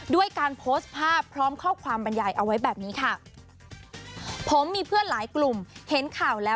ด้วยการโพสต์ภาพพร้อมข้อความบรรยายเอาไว้แบบนี้ค่ะ